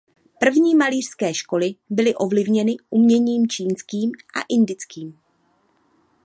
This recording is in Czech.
První malířské školy byly ovlivněny uměním čínským a indickým.